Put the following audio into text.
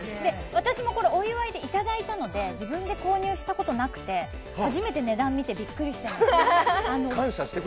私もお祝いで頂いたので自分で購入したことなくて初めて値段見てびっくりしてます。